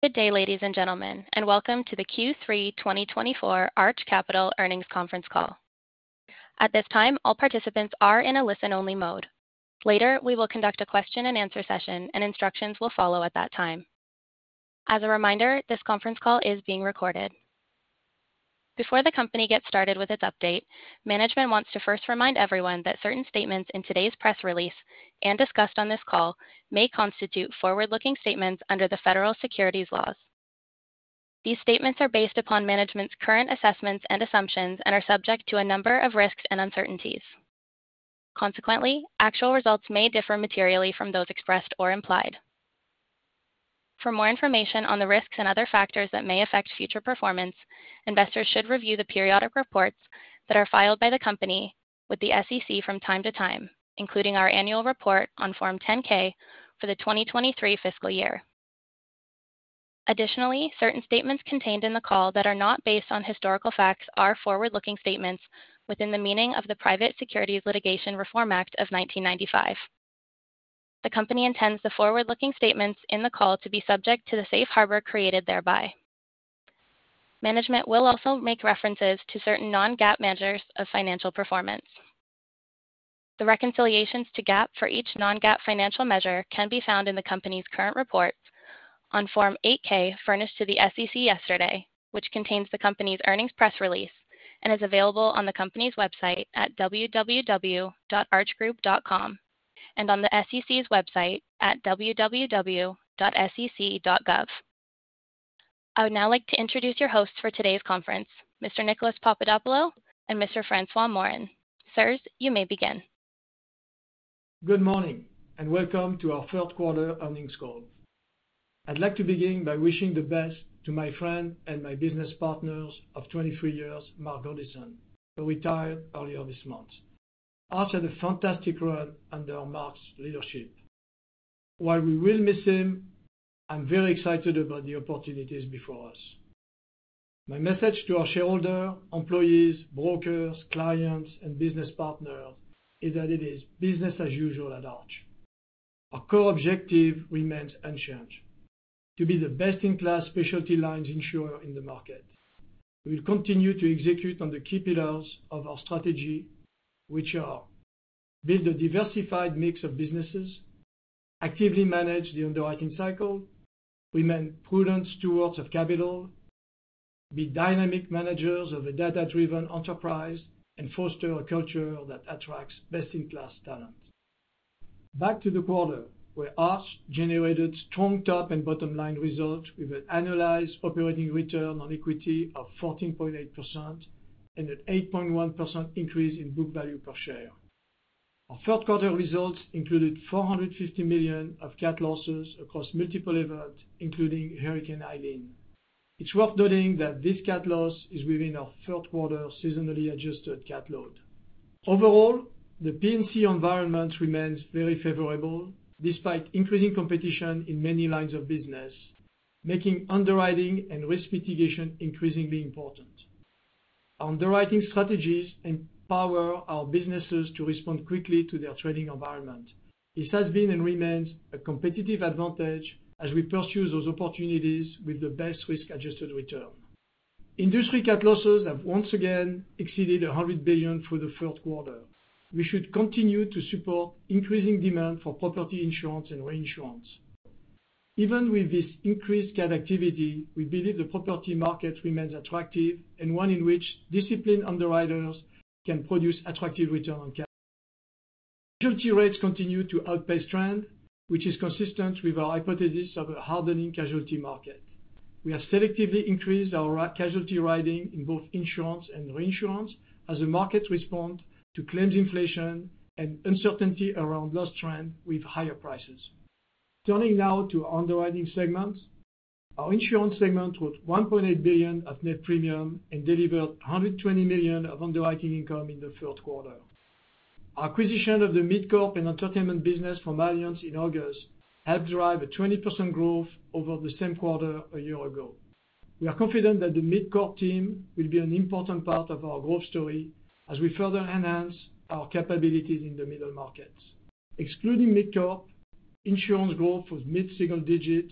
Good day, ladies and gentlemen, and welcome to the Q3 2024 Arch Capital Earnings Conference Call. At this time, all participants are in a listen-only mode. Later, we will conduct a question-and-answer session, and instructions will follow at that time. As a reminder, this conference call is being recorded. Before the company gets started with its update, management wants to first remind everyone that certain statements in today's press release and discussed on this call may constitute forward-looking statements under the federal securities laws. These statements are based upon management's current assessments and assumptions and are subject to a number of risks and uncertainties. Consequently, actual results may differ materially from those expressed or implied. For more information on the risks and other factors that may affect future performance, investors should review the periodic reports that are filed by the company with the SEC from time to time, including our annual report on Form 10-K for the 2023 fiscal year. Additionally, certain statements contained in the call that are not based on historical facts are forward-looking statements within the meaning of the Private Securities Litigation Reform Act of 1995. The company intends the forward-looking statements in the call to be subject to the safe harbor created thereby. Management will also make references to certain non-GAAP measures of financial performance. The reconciliations to GAAP for each non-GAAP financial measure can be found in the company's current report on Form 8-K furnished to the SEC yesterday, which contains the company's earnings press release and is available on the company's website at www.archgroup.com and on the SEC's website at www.sec.gov. I would now like to introduce your hosts for today's conference, Mr. Nicolas Papadopoulo and Mr. François Morin. Sirs, you may begin. Good morning and welcome to our Q3 Earnings Call. I'd like to begin by wishing the best to my friend and my business partner of 23 years, Marc Grandisson, who retired earlier this month after the fantastic run under Marc's leadership. While we will miss him, I'm very excited about the opportunities before us. My message to our shareholders, employees, brokers, clients, and business partners is that it is business as usual at Arch. Our core objective remains unchanged: to be the best-in-class specialty lines insurer in the market. We will continue to execute on the key pillars of our strategy, which are: build a diversified mix of businesses, actively manage the underwriting cycle, remain prudent stewards of capital, be dynamic managers of a data-driven enterprise, and foster a culture that attracts best-in-class talent. Back to the quarter, where Arch generated strong top and bottom-line results with an annualized operating return on equity of 14.8% and an 8.1% increase in book value per share. Our third-quarter results included $450 million of CAT losses across multiple events, including Hurricane Helene. It's worth noting that this CAT loss is within our third-quarter seasonally adjusted CAT load. Overall, the P&C environment remains very favorable despite increasing competition in many lines of business, making underwriting and risk mitigation increasingly important. Our underwriting strategies empower our businesses to respond quickly to their trading environment. This has been and remains a competitive advantage as we pursue those opportunities with the best risk-adjusted return. Industry CAT losses have once again exceeded $100 billion for the third quarter. We should continue to support increasing demand for property insurance and reinsurance. Even with this increased CAT activity, we believe the property market remains attractive and one in which disciplined underwriters can produce attractive returns on CAT. Casualty rates continue to outpace trend, which is consistent with our hypothesis of a hardening casualty market. We have selectively increased our casualty writings in both insurance and reinsurance as the markets respond to claims inflation and uncertainty around loss trends with higher prices. Turning now to our underwriting segment, our insurance segment wrote $1.8 billion of net premium and delivered $120 million of underwriting income in the third quarter. Our acquisition of the mid-corp and entertainment business from Allianz in August helped drive a 20% growth over the same quarter a year ago. We are confident that the mid-corp team will be an important part of our growth story as we further enhance our capabilities in the middle markets. Excluding mid-corp, insurance growth was mid-single digit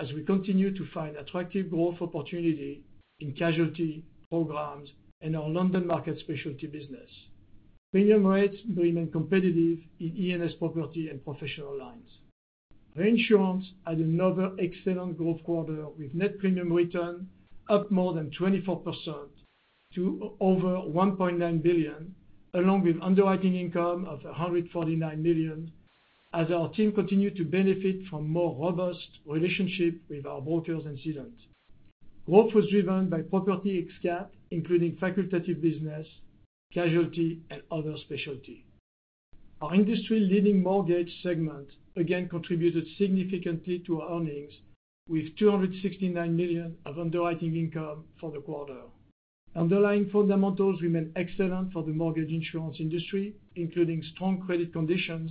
as we continue to find attractive growth opportunities in casualty programs and our London market specialty business. Premium rates remain competitive in E&S property and professional lines. Reinsurance had another excellent growth quarter with net premium return up more than 24% to over $1.9 billion, along with underwriting income of $149 million as our team continued to benefit from a more robust relationship with our brokers and cedants. Growth was driven by property ex-CAT, including facultative business, casualty, and other specialty. Our industry-leading mortgage segment again contributed significantly to our earnings with $269 million of underwriting income for the quarter. Underlying fundamentals remain excellent for the mortgage insurance industry, including strong credit conditions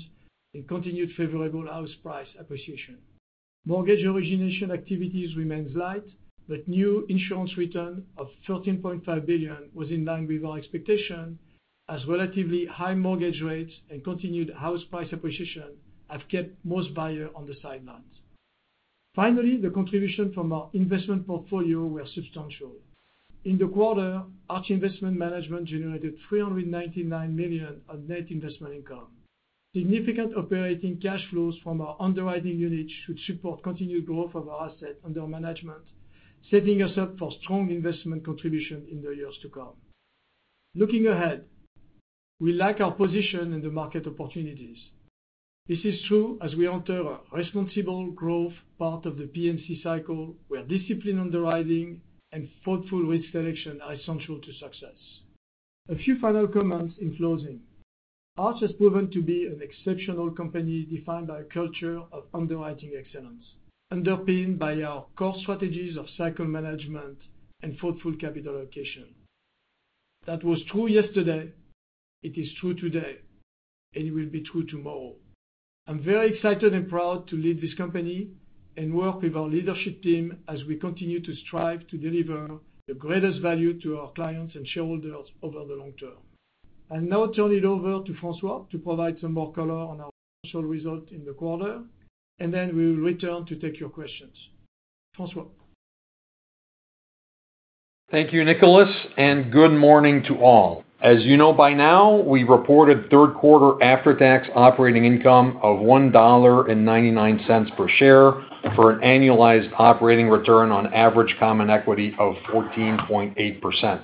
and continued favorable house price appreciation. Mortgage origination activities remain light, but new insurance written of $13.5 billion was in line with our expectations as relatively high mortgage rates and continued house price appreciation have kept most buyers on the sidelines. Finally, the contribution from our investment portfolio was substantial. In the quarter, Arch Investment Management generated $399 million of net investment income. Significant operating cash flows from our underwriting unit should support continued growth of our assets under management, setting us up for strong investment contributions in the years to come. Looking ahead, we leverage our position in the market opportunities. This is true as we enter a responsible growth part of the P&C cycle where disciplined underwriting and thoughtful risk selection are essential to success. A few final comments in closing. Arch has proven to be an exceptional company defined by a culture of underwriting excellence, underpinned by our core strategies of cycle management and thoughtful capital allocation. That was true yesterday, it is true today, and it will be true tomorrow. I'm very excited and proud to lead this company and work with our leadership team as we continue to strive to deliver the greatest value to our clients and shareholders over the long term. I'll now turn it over to François to provide some more color on our financial results in the quarter, and then we will return to take your questions. François. Thank you, Nicolas, and good morning to all. As you know by now, we reported third-quarter after-tax operating income of $1.99 per share for an annualized operating return on average common equity of 14.8%.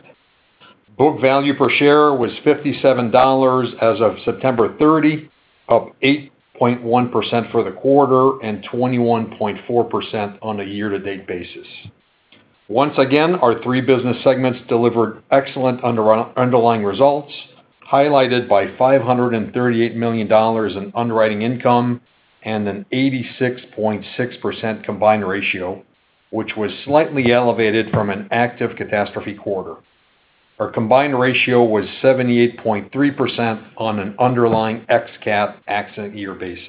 Book value per share was $57 as of September 30, up 8.1% for the quarter and 21.4% on a year-to-date basis. Once again, our three business segments delivered excellent underlying results, highlighted by $538 million in underwriting income and an 86.6% combined ratio, which was slightly elevated from an active catastrophe quarter. Our combined ratio was 78.3% on an underlying ex-CAT accident year basis.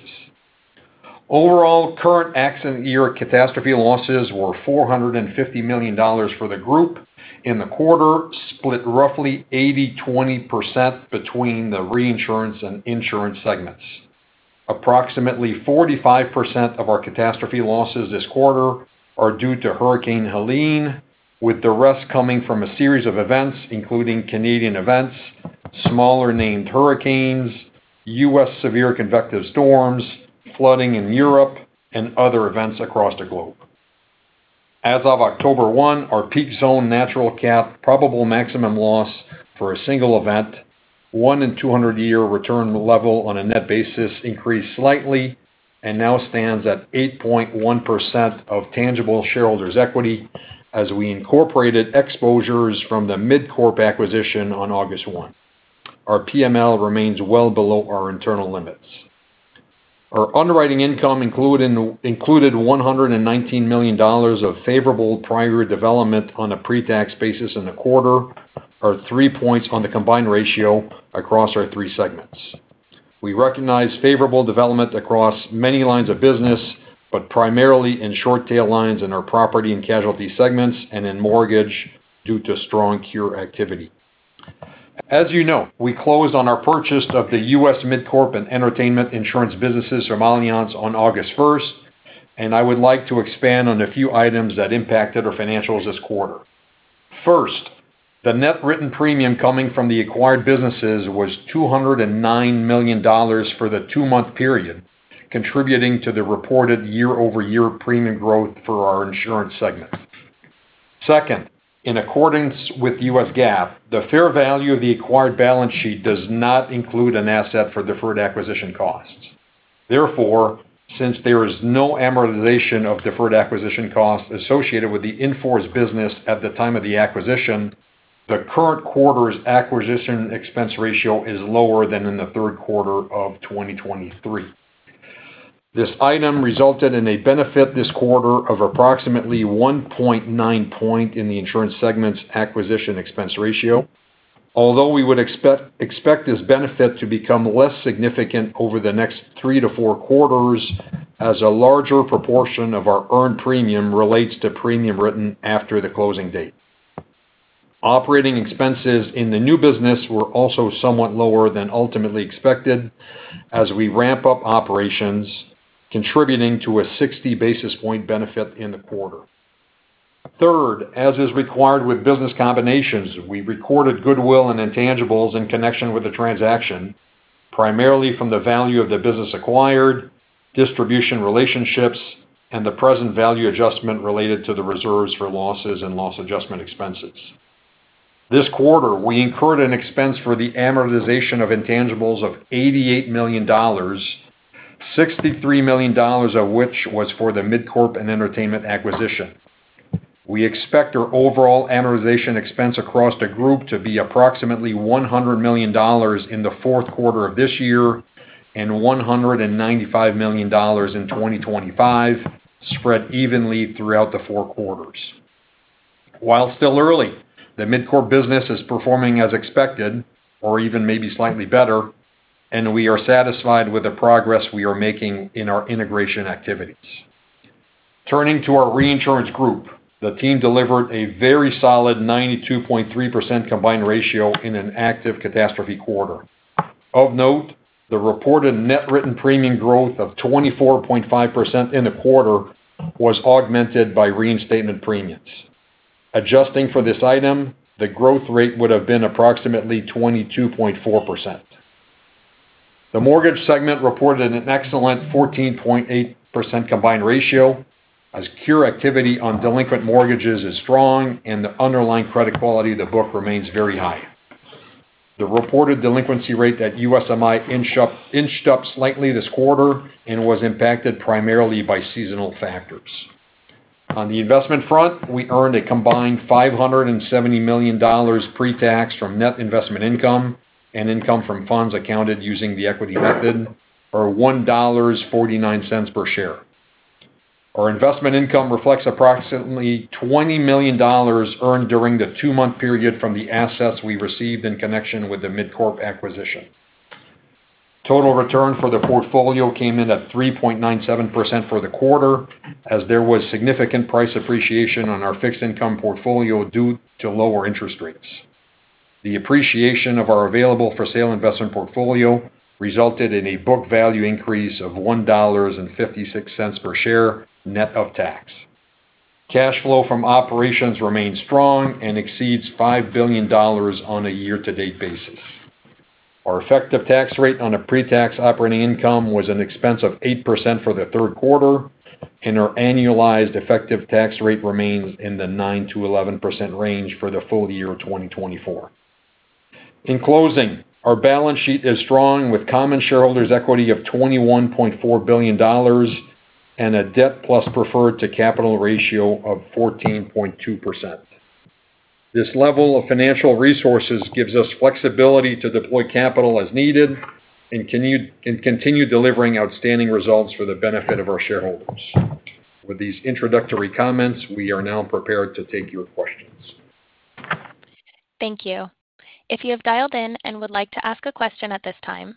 Overall, current accident year catastrophe losses were $450 million for the group in the quarter, split roughly 80%-20% between the reinsurance and insurance segments. Approximately 45% of our catastrophe losses this quarter are due to Hurricane Helene, with the rest coming from a series of events including Canadian events, smaller named hurricanes, U.S. severe convective storms, flooding in Europe, and other events across the globe. As of October 1, our peak zone natural CAT probable maximum loss for a single event, one in 200-year return level on a net basis, increased slightly and now stands at 8.1% of tangible shareholders' equity as we incorporated exposures from the mid-corp acquisition on August 1. Our PML remains well below our internal limits. Our underwriting income included $119 million of favorable prior development on a pre-tax basis in the quarter, or three points on the combined ratio across our three segments. We recognize favorable development across many lines of business, but primarily in short-tail lines in our property and casualty segments and in mortgage due to strong cure activity. As you know, we closed on our purchase of the U.S. mid-corp and entertainment insurance businesses from Allianz on August 1, and I would like to expand on a few items that impacted our financials this quarter. First, the net written premium coming from the acquired businesses was $209 million for the two-month period, contributing to the reported year-over-year premium growth for our insurance segment. Second, in accordance with U.S. GAAP, the fair value of the acquired balance sheet does not include an asset for deferred acquisition costs. Therefore, since there is no amortization of deferred acquisition costs associated with the acquired business at the time of the acquisition, the current quarter's acquisition expense ratio is lower than in the third quarter of 2023. This item resulted in a benefit this quarter of approximately 1.9 point in the insurance segment's acquisition expense ratio, although we would expect this benefit to become less significant over the next three to four quarters as a larger proportion of our earned premium relates to premium written after the closing date. Operating expenses in the new business were also somewhat lower than ultimately expected as we ramp up operations, contributing to a 60 basis point benefit in the quarter. Third, as is required with business combinations, we recorded goodwill and intangibles in connection with the transaction, primarily from the value of the business acquired, distribution relationships, and the present value adjustment related to the reserves for losses and loss adjustment expenses. This quarter, we incurred an expense for the amortization of intangibles of $88 million, $63 million of which was for the mid-corp and entertainment acquisition. We expect our overall amortization expense across the group to be approximately $100 million in the fourth quarter of this year and $195 million in 2025, spread evenly throughout the four quarters. While still early, the mid-corp business is performing as expected or even maybe slightly better, and we are satisfied with the progress we are making in our integration activities. Turning to our reinsurance group, the team delivered a very solid 92.3% combined ratio in an active catastrophe quarter. Of note, the reported net written premium growth of 24.5% in the quarter was augmented by reinstatement premiums. Adjusting for this item, the growth rate would have been approximately 22.4%. The mortgage segment reported an excellent 14.8% combined ratio as cure activity on delinquent mortgages is strong and the underlying credit quality of the book remains very high. The reported delinquency rate at USMI inched up slightly this quarter and was impacted primarily by seasonal factors. On the investment front, we earned a combined $570 million pre-tax from net investment income and income from funds accounted using the equity method, or $1.49 per share. Our investment income reflects approximately $20 million earned during the two-month period from the assets we received in connection with the mid-corp acquisition. Total return for the portfolio came in at 3.97% for the quarter as there was significant price appreciation on our fixed income portfolio due to lower interest rates. The appreciation of our available for sale investment portfolio resulted in a book value increase of $1.56 per share net of tax. Cash flow from operations remains strong and exceeds $5 billion on a year-to-date basis. Our effective tax rate on a pre-tax operating income was an expense of 8% for the third quarter, and our annualized effective tax rate remains in the 9%-11% range for the full year 2024. In closing, our balance sheet is strong with common shareholders' equity of $21.4 billion and a debt plus preferred to capital ratio of 14.2%. This level of financial resources gives us flexibility to deploy capital as needed and continue delivering outstanding results for the benefit of our shareholders. With these introductory comments, we are now prepared to take your questions. Thank you. If you have dialed in and would like to ask a question at this time,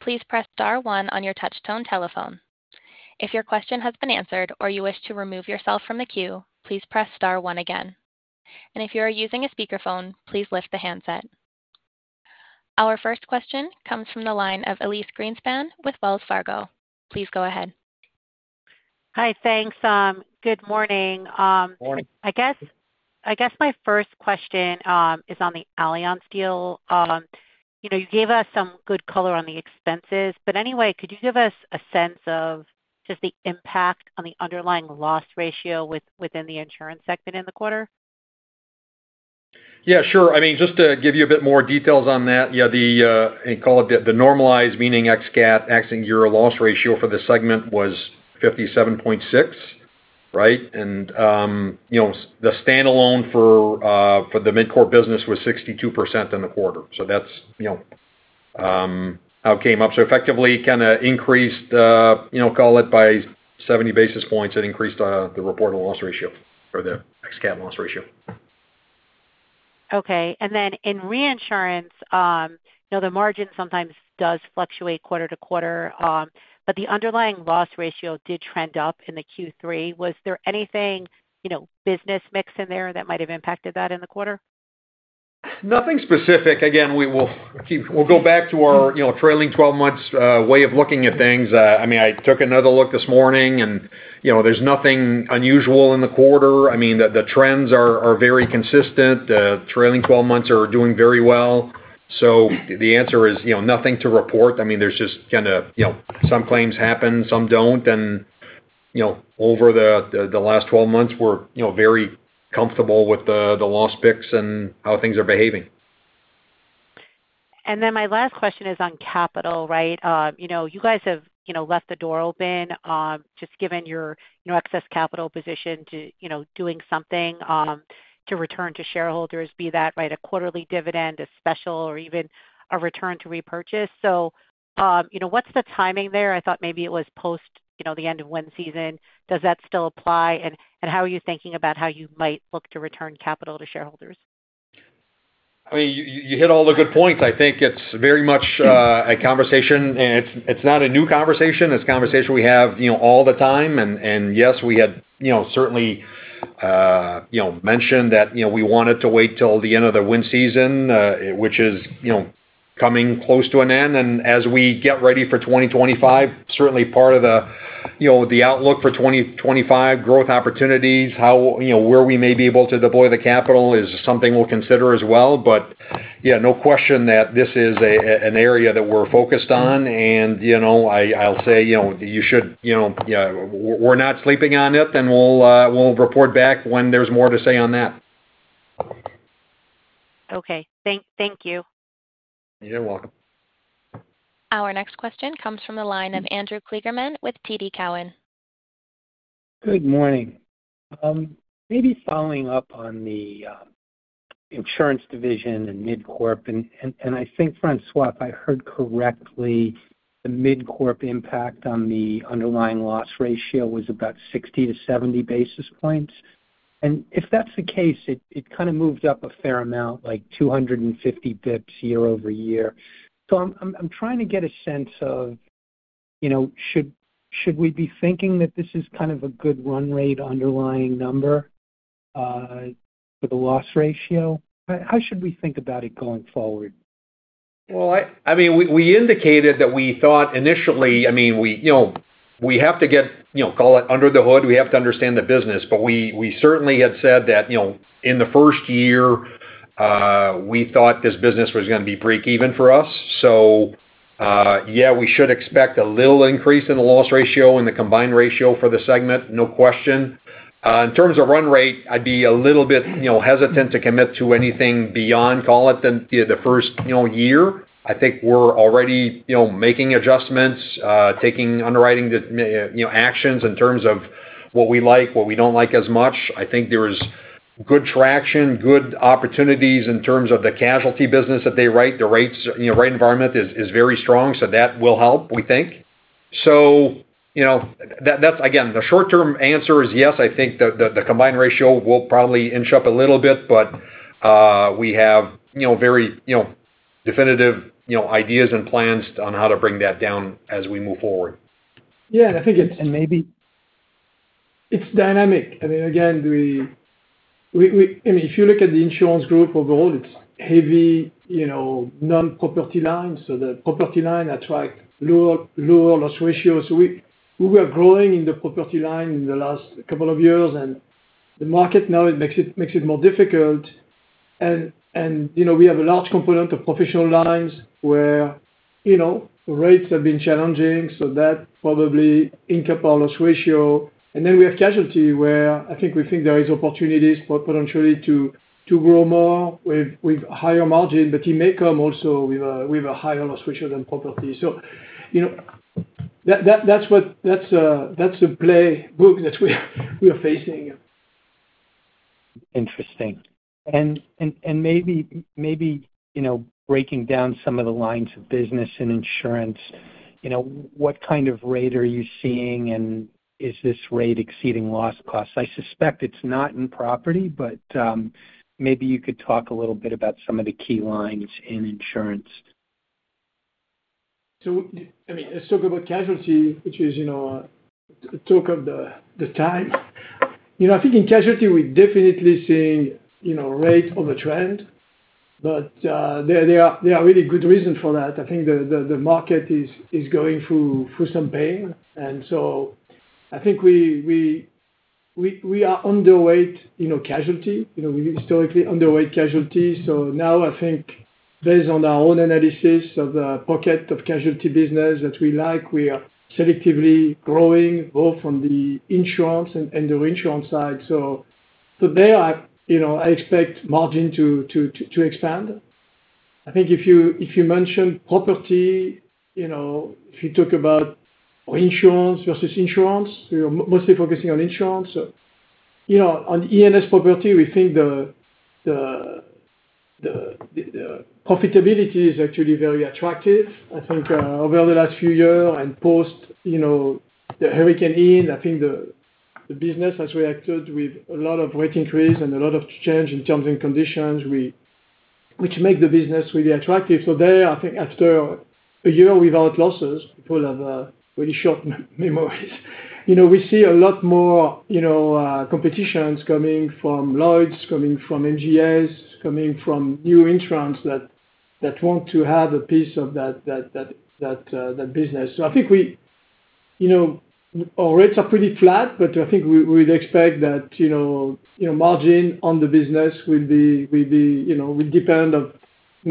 please press star one on your touch-tone telephone. If your question has been answered or you wish to remove yourself from the queue, please press star one again. And if you are using a speakerphone, please lift the handset. Our first question comes from the line of Elyse Greenspan with Wells Fargo. Please go ahead. Hi, thanks. Good morning. Good morning. I guess my first question is on the Allianz deal. You gave us some good color on the expenses, but anyway, could you give us a sense of just the impact on the underlying loss ratio within the insurance segment in the quarter? Yeah, sure. I mean, just to give you a bit more details on that, yeah, the normalized, meaning ex-CAT, ex-accident year loss ratio for the segment was 57.6, right? And the standalone for the mid-corp business was 62% in the quarter. So that's how it came up. So effectively kind of increased, call it by 70 basis points, it increased the reported loss ratio or the ex-CAT loss ratio. Okay. And then in reinsurance, the margin sometimes does fluctuate quarter to quarter, but the underlying loss ratio did trend up in the Q3. Was there anything business mix in there that might have impacted that in the quarter? Nothing specific. Again, we'll go back to our trailing 12 months' way of looking at things. I mean, I took another look this morning, and there's nothing unusual in the quarter. I mean, the trends are very consistent. The trailing 12 months are doing very well. So the answer is nothing to report. I mean, there's just kind of some claims happen, some don't. And over the last 12 months, we're very comfortable with the loss picks and how things are behaving. And then my last question is on capital, right? You guys have left the door open just given your excess capital position to doing something to return to shareholders, be that a quarterly dividend, a special, or even a return to repurchase. So what's the timing there? I thought maybe it was post the end of one season. Does that still apply? And how are you thinking about how you might look to return capital to shareholders? I mean, you hit all the good points. I think it's very much a conversation, and it's not a new conversation. It's a conversation we have all the time. And yes, we had certainly mentioned that we wanted to wait till the end of the wind season, which is coming close to an end. And as we get ready for 2025, certainly part of the outlook for 2025, growth opportunities, where we may be able to deploy the capital is something we'll consider as well. But yeah, no question that this is an area that we're focused on. And I'll say you should, yeah, we're not sleeping on it, and we'll report back when there's more to say on that. Okay. Thank you. You're welcome. Our next question comes from the line of Andrew Kligerman with TD Cowen. Good morning. Maybe following up on the insurance division and mid-corp, and I think, François, if I heard correctly, the mid-corp impact on the underlying loss ratio was about 60-70 basis points. If that's the case, it kind of moved up a fair amount, like 250 basis points year over year. I'm trying to get a sense of should we be thinking that this is kind of a good run rate underlying number for the loss ratio? How should we think about it going forward? Well, I mean, we indicated that we thought initially, I mean, we have to get, call it under the hood, we have to understand the business. But we certainly had said that in the first year, we thought this business was going to be break-even for us. So yeah, we should expect a little increase in the loss ratio and the combined ratio for the segment, no question. In terms of run rate, I'd be a little bit hesitant to commit to anything beyond, call it the first year. I think we're already making adjustments, taking underwriting actions in terms of what we like, what we don't like as much. I think there's good traction, good opportunities in terms of the casualty business that they write. The right environment is very strong, so that will help, we think. So that's, again, the short-term answer is yes. I think the combined ratio will probably inch up a little bit, but we have very definitive ideas and plans on how to bring that down as we move forward. Yeah. And I think it's and maybe it's dynamic. I mean, again, I mean, if you look at the insurance group overall, it's heavy non-property line. So the property line attracts lower loss ratios. So we were growing in the property line in the last couple of years, and the market now makes it more difficult. And we have a large component of professional lines where rates have been challenging. So that probably impacts the combined ratio. And then we have casualty where I think we think there are opportunities potentially to grow more with higher margin, but it may come also with a higher loss ratio than property. So that's the playbook that we are facing. Interesting. And maybe breaking down some of the lines of business in insurance, what kind of rate are you seeing, and is this rate exceeding loss costs? I suspect it's not in property, but maybe you could talk a little bit about some of the key lines in insurance. So I mean, let's talk about casualty, which is talk of the town. I think in casualty, we definitely see rate softening trend, but there are really good reasons for that. I think the market is going through some pain. And so I think we are underweight casualty. We historically underweight casualty. So now I think based on our own analysis of the pocket of casualty business that we like, we are selectively growing both on the insurance and the reinsurance side. So there, I expect margin to expand. I think if you mention property, if you talk about reinsurance versus insurance, we are mostly focusing on insurance. On E&S property, we think the profitability is actually very attractive. I think over the last few years and post the hurricane Ian, I think the business has reacted with a lot of rate increase and a lot of change in terms and conditions, which make the business really attractive. So there, I think after a year without losses, people have really short memories. We see a lot more competition coming from Lloyd's, coming from MGAs, coming from new insurers that want to have a piece of that business. So I think our rates are pretty flat, but I think we would expect that margin on the business will depend on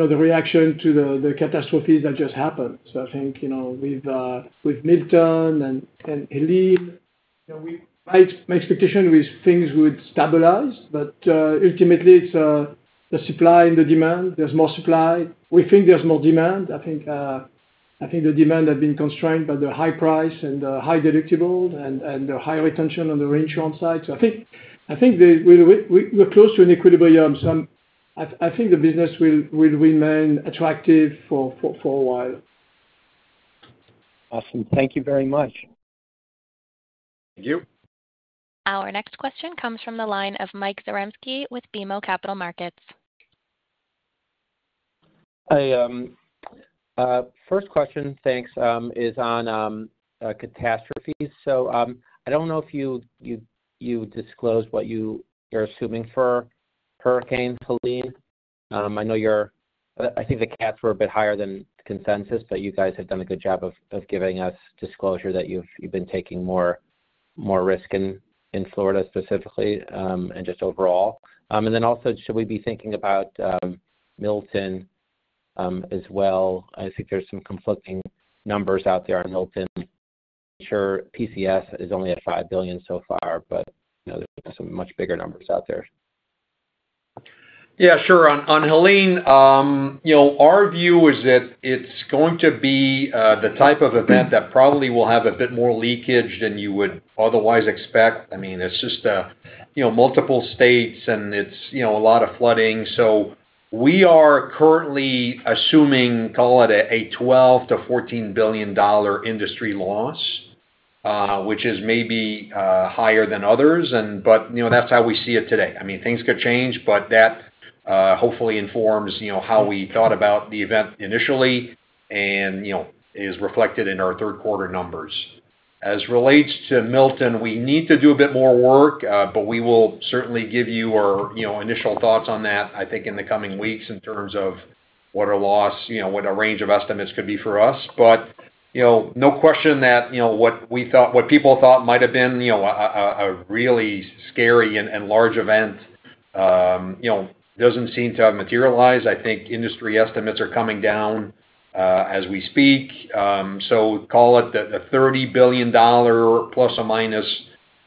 the reaction to the catastrophes that just happened. So I think with Milton and Helene, my expectation was things would stabilize, but ultimately, it's the supply and the demand. There's more supply. We think there's more demand. I think the demand has been constrained by the high price and the high deductible and the high retention on the reinsurance side. So I think we're close to an equilibrium. So I think the business will remain attractive for a while. Awesome. Thank you very much. Thank you. Our next question comes from the line of Mike Zarembski with BMO Capital Markets. Hi. First question, thanks, is on catastrophes. So I don't know if you disclosed what you're assuming for Hurricane Helene. I think the caps were a bit higher than consensus, but you guys have done a good job of giving us disclosure that you've been taking more risk in Florida specifically and just overall. And then also, should we be thinking about Milton as well? I think there's some conflicting numbers out there. Milton PCS is only at $5 billion so far, but there's some much bigger numbers out there. Yeah, sure. On Helene, our view is that it's going to be the type of event that probably will have a bit more leakage than you would otherwise expect. I mean, it's just multiple states, and it's a lot of flooding. So we are currently assuming, call it a $12 billion-$14 billion industry loss, which is maybe higher than others, but that's how we see it today. I mean, things could change, but that hopefully informs how we thought about the event initially and is reflected in our third quarter numbers. As relates to Milton, we need to do a bit more work, but we will certainly give you our initial thoughts on that, I think, in the coming weeks in terms of what our loss, what our range of estimates could be for us. But no question that what people thought might have been a really scary and large event doesn't seem to have materialized. I think industry estimates are coming down as we speak. So call it the $30 billion plus or minus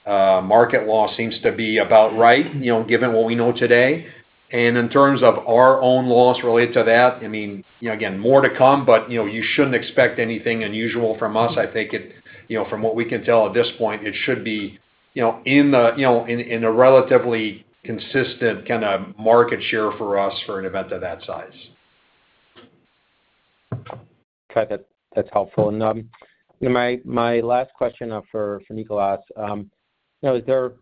market loss seems to be about right, given what we know today. And in terms of our own loss related to that, I mean, again, more to come, but you shouldn't expect anything unusual from us. I think from what we can tell at this point, it should be in a relatively consistent kind of market share for us for an event of that size. Okay. That's helpful, and my last question for Nicolas: is there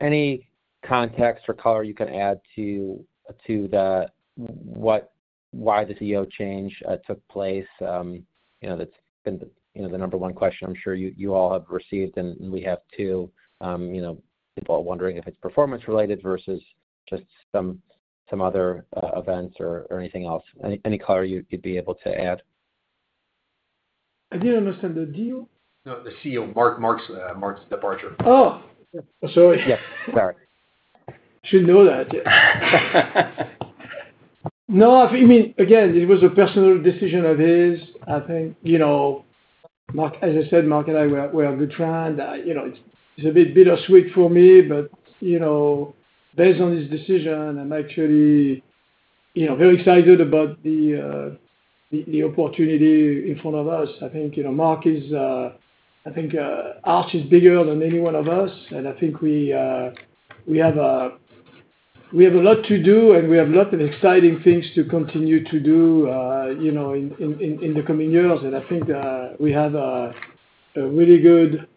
any context or color you can add to why the CEO change took place? That's been the number one question I'm sure you all have received, and we have too. People are wondering if it's performance-related versus just some other events or anything else. Any color you'd be able to add? I didn't understand the deal. No, the CEO, Marc's departure. Oh, sorry. Yeah. Sorry. Should know that. No, I mean, again, it was a personal decision of his, I think. As I said, Marc and I were a good friend. It's a bit bittersweet for me, but based on his decision, I'm actually very excited about the opportunity in front of us. I think Marc is, I think, our heart is bigger than any one of us, and I think we have a lot to do, and we have a lot of exciting things to continue to do in the coming years. I think we have a really good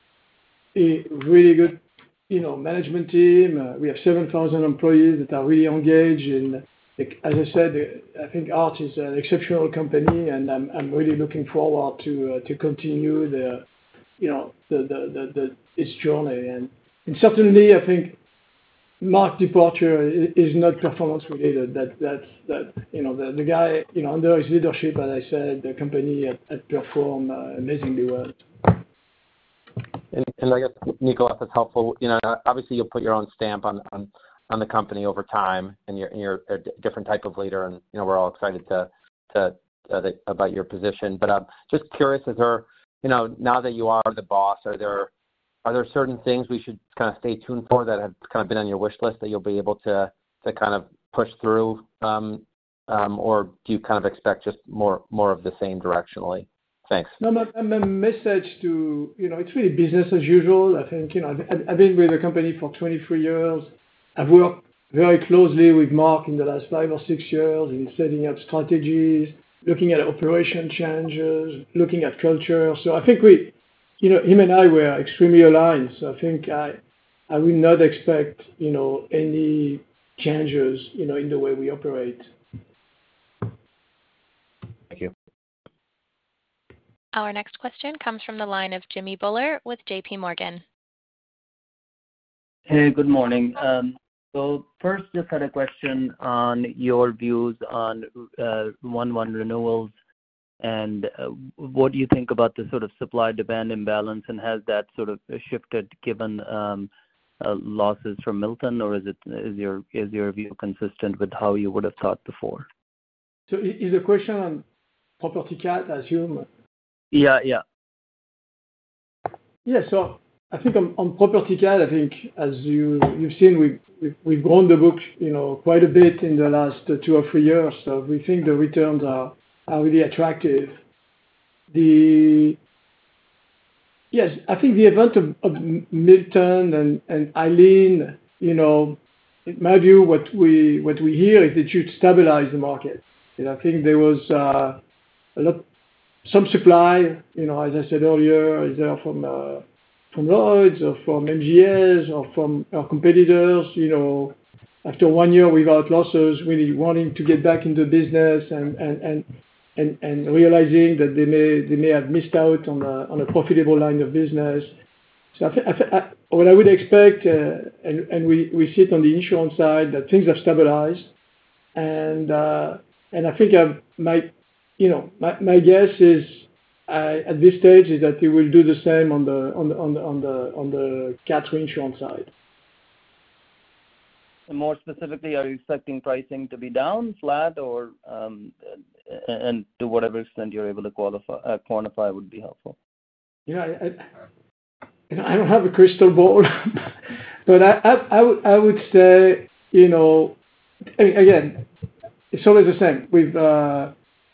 management team. We have 7,000 employees that are really engaged. And as I said, I think Arch is an exceptional company, and I'm really looking forward to continue its journey. And certainly, I think Marc's departure is not performance-related. The guy, under his leadership, as I said, the company had performed amazingly well. And I guess, Nicolas, that's helpful. Obviously, you'll put your own stamp on the company over time, and you're a different type of leader, and we're all excited about your position. But I'm just curious, now that you are the boss, are there certain things we should kind of stay tuned for that have kind of been on your wish list that you'll be able to kind of push through, or do you kind of expect just more of the same directionally? Thanks. No, my message to it is really business as usual. I think I've been with the company for 23 years. I've worked very closely with Marc in the last five or six years in setting up strategies, looking at operational changes, looking at culture. So I think him and I were extremely aligned. So I think I would not expect any changes in the way we operate. Thank you. Our next question comes from the line of Jimmy Bhullar with J.P. Morgan. Hey, good morning. First, just had a question on your views on 1/1 renewals, and what do you think about the sort of supply-demand imbalance, and has that sort of shifted given losses from Milton, or is your view consistent with how you would have thought before? So is the question on property cat, I assume? Yeah, yeah. Yeah. So I think on property cat, I think, as you've seen, we've grown the book quite a bit in the last two or three years. So we think the returns are really attractive. Yes, I think the event of Milton and Helene, in my view, what we hear is it should stabilize the market. And I think there was some supply, as I said earlier, either from Lloyd's or from MGAs or from our competitors. After one year without losses, really wanting to get back into business and realizing that they may have missed out on a profitable line of business. So what I would expect, and we sit on the insurance side, that things have stabilized. And I think my guess at this stage is that they will do the same on the cats insurance side. More specifically, are you expecting pricing to be down, flat, and to whatever extent you're able to quantify would be helpful? Yeah. I don't have a crystal ball, but I would say, again, it's always the same. With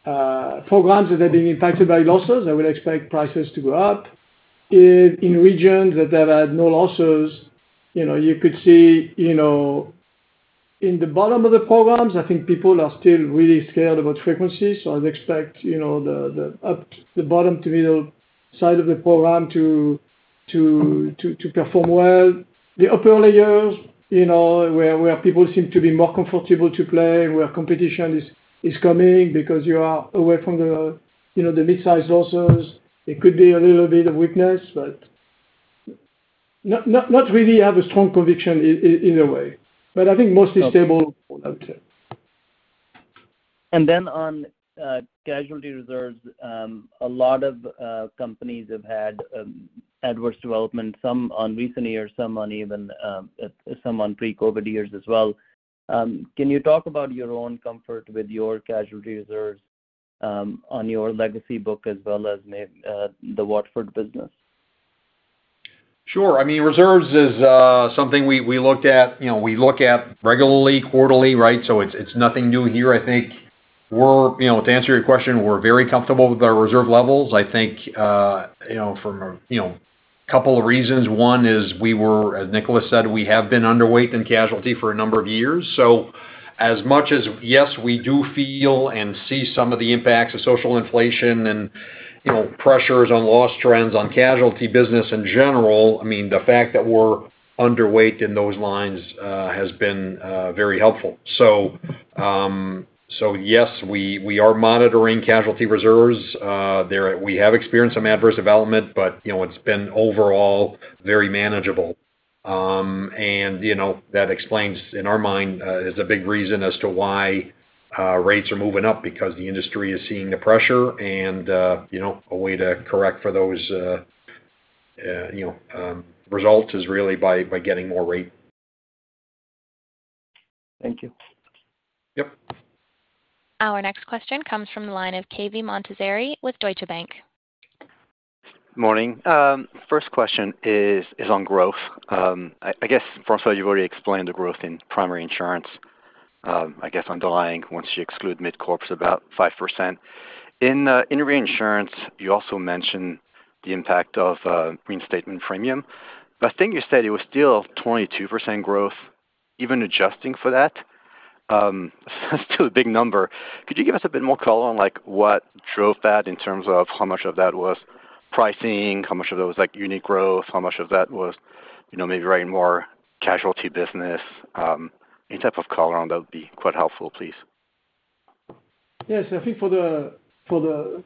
programs that have been impacted by losses, I would expect prices to go up. In regions that have had no losses, you could see in the bottom of the programs, I think people are still really scared about frequencies. So I'd expect the bottom to middle side of the program to perform well. The upper layers where people seem to be more comfortable to play where competition is coming because you are away from the mid-size losses, it could be a little bit of weakness, but not really have a strong conviction in a way. But I think mostly stable, I would say. And then on casualty reserves, a lot of companies have had adverse development, some on recent years, some on even pre-COVID years as well. Can you talk about your own comfort with your casualty reserves on your legacy book as well as the Watford business? Sure. I mean, reserves is something we looked at. We look at regularly, quarterly, right? So it's nothing new here. I think, to answer your question, we're very comfortable with our reserve levels. I think from a couple of reasons. One is, as Nicolas said, we have been underweight in casualty for a number of years. So as much as, yes, we do feel and see some of the impacts of social inflation and pressures on loss trends on casualty business in general, I mean, the fact that we're underweight in those lines has been very helpful. So yes, we are monitoring casualty reserves. We have experienced some adverse development, but it's been overall very manageable. That explains, in our mind, is a big reason as to why rates are moving up because the industry is seeing the pressure, and a way to correct for those results is really by getting more rate. Thank you. Yep. Our next question comes from the line of Cave Montazeri with Deutsche Bank. Good morning. First question is on growth. I guess, François, you've already explained the growth in primary insurance. I guess underlying, once you exclude mid-corps, about 5%. In reinsurance, you also mentioned the impact of reinstatement premium. But I think you said it was still 22% growth, even adjusting for that. It's still a big number. Could you give us a bit more color on what drove that in terms of how much of that was pricing, how much of that was unique growth, how much of that was maybe writing more casualty business? Any type of color on that would be quite helpful, please. Yes. I think for the quarter,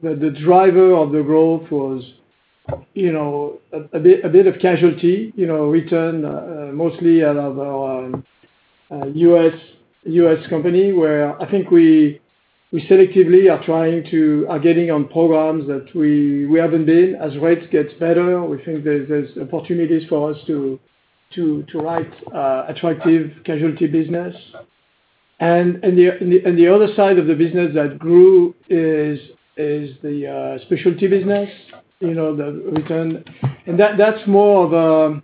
the driver of the growth was a bit of casualty runoff, mostly out of our U.S. company where I think we selectively are trying to get on programs that we haven't been. As rates get better, we think there's opportunities for us to write attractive casualty business. The other side of the business that grew is the specialty business, the runoff. That's more of a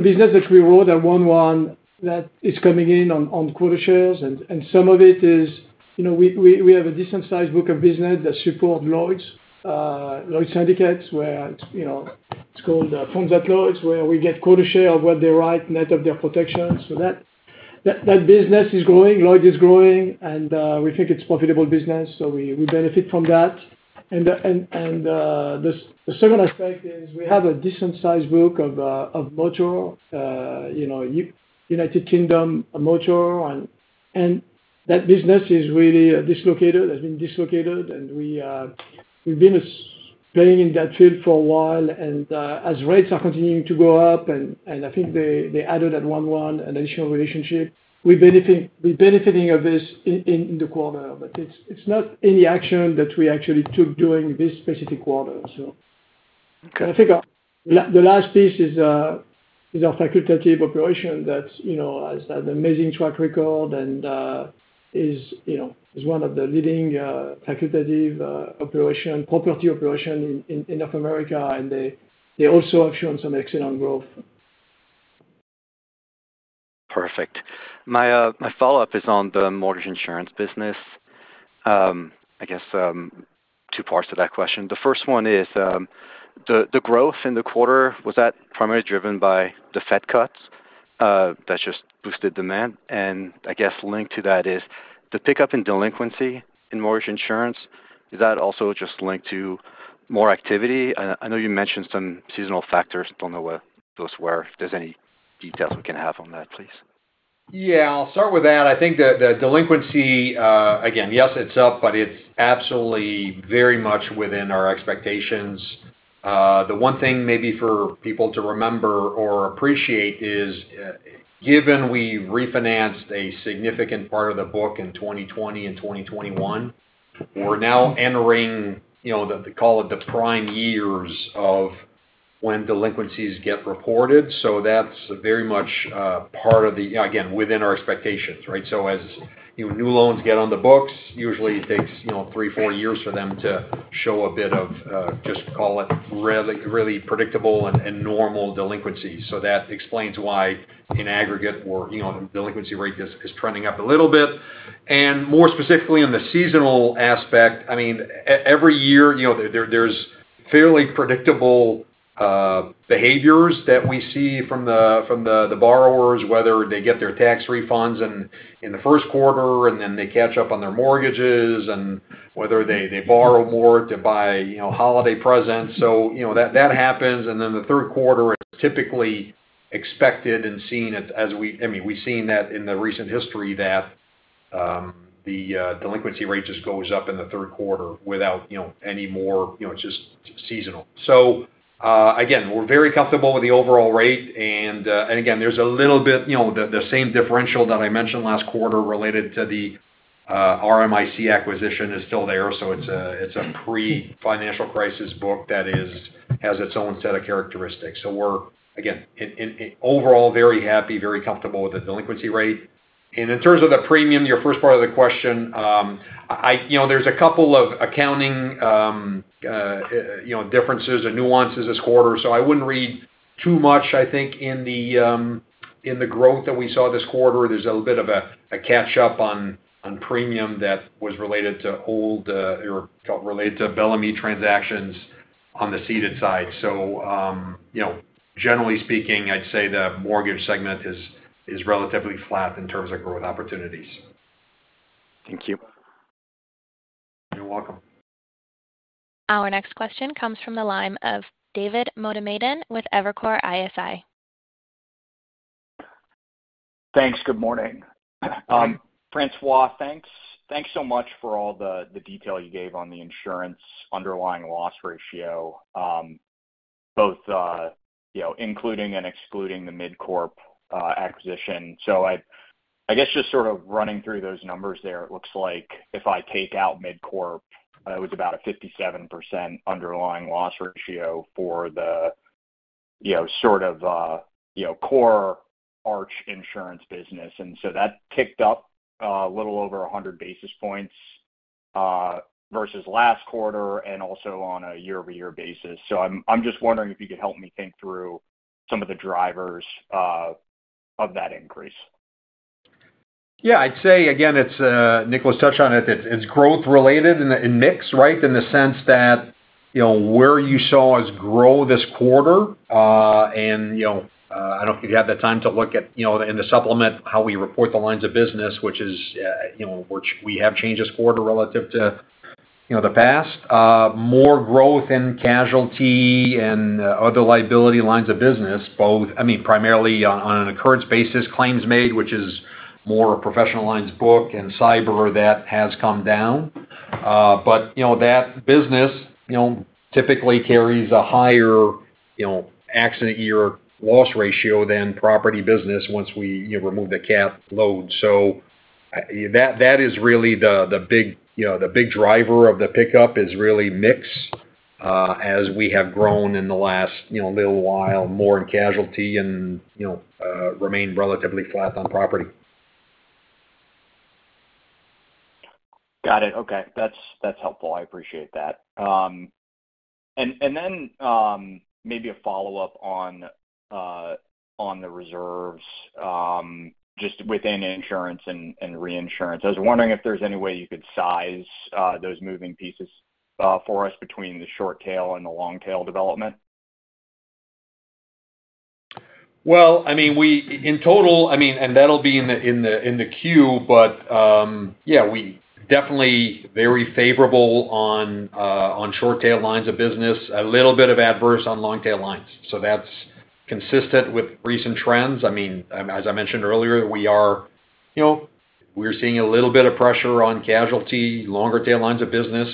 business that we wrote at 1/1 that is coming in on quota shares. Some of it is we have a decent-sized book of business that supports Lloyd's, Lloyd's Syndicates, where it's called backstop Lloyd's, where we get quota share of what they write, net of their protection. So that business is growing. Lloyd's is growing, and we think it's profitable business, so we benefit from that. The second aspect is we have a decent-sized book of motor, United Kingdom motor, and that business is really dislocated. It has been dislocated, and we've been playing in that field for a while. As rates are continuing to go up, and I think they added 11 additional relationships, we're benefiting from this in the quarter, but it's not any action that we actually took during this specific quarter. I think the last piece is our facultative operation that has an amazing track record and is one of the leading facultative property operations in North America, and they also have shown some excellent growth. Perfect. My follow-up is on the mortgage insurance business. I guess two parts to that question. The first one is the growth in the quarter. Was that primarily driven by the Fed cuts that just boosted demand? And I guess linked to that is the pickup in delinquency in mortgage insurance. Is that also just linked to more activity? I know you mentioned some seasonal factors. Don't know what those were. If there's any details we can have on that, please. Yeah. I'll start with that. I think the delinquency, again, yes, it's up, but it's absolutely very much within our expectations. The one thing maybe for people to remember or appreciate is, given we refinanced a significant part of the book in 2020 and 2021, we're now entering the call it the prime years of when delinquencies get reported. So that's very much part of the, again, within our expectations, right? So as new loans get on the books, usually it takes three, four years for them to show a bit of, just call it really predictable and normal delinquencies. So that explains why, in aggregate, delinquency rate is trending up a little bit. More specifically on the seasonal aspect, I mean, every year, there's fairly predictable behaviors that we see from the borrowers, whether they get their tax refunds in the first quarter and then they catch up on their mortgages and whether they borrow more to buy holiday presents. So that happens. And then the third quarter is typically expected and seen as. I mean, we've seen that in the recent history that the delinquency rate just goes up in the third quarter without any more; it's just seasonal. So again, we're very comfortable with the overall rate. And again, there's a little bit the same differential that I mentioned last quarter related to the RMIC acquisition is still there. So it's a pre-financial crisis book that has its own set of characteristics. So we're again overall very happy, very comfortable with the delinquency rate. In terms of the premium, your first part of the question, there's a couple of accounting differences or nuances this quarter. So I wouldn't read too much. I think in the growth that we saw this quarter, there's a little bit of a catch-up on premium that was related to old or related to Allianz transactions on the ceded side. So generally speaking, I'd say the mortgage segment is relatively flat in terms of growth opportunities. Thank you. You're welcome. Our next question comes from the line of David Motemaden with Evercore ISI. Thanks. Good morning. François, thanks so much for all the detail you gave on the insurance underlying loss ratio, both including and excluding the mid-corp acquisition. So I guess just sort of running through those numbers there, it looks like if I take out mid-corp, it was about a 57% underlying loss ratio for the sort of core Arch insurance business. And so that ticked up a little over 100 basis points versus last quarter and also on a year-over-year basis. So I'm just wondering if you could help me think through some of the drivers of that increase? Yeah. I'd say, again, as Nicolas touched on it, it's growth-related and mixed, right, in the sense that where you saw us grow this quarter. And I don't know if you had the time to look at in the supplement how we report the lines of business, which is we have changed this quarter relative to the past. More growth in casualty and other liability lines of business, both, I mean, primarily on an occurrence basis, claims made, which is more professional lines book and cyber, that has come down. But that business typically carries a higher accident year loss ratio than property business once we remove the CAT load. So that is really the big driver of the pickup is really mix as we have grown in the last little while, more in casualty and remained relatively flat on property. Got it. Okay. That's helpful. I appreciate that. And then maybe a follow-up on the reserves just within insurance and reinsurance. I was wondering if there's any way you could size those moving pieces for us between the short tail and the long tail development? I mean, in total, I mean, and that'll be in the queue, but yeah, we definitely very favorable on short tail lines of business, a little bit of adverse on long tail lines. So that's consistent with recent trends. I mean, as I mentioned earlier, we are seeing a little bit of pressure on casualty, longer tail lines of business.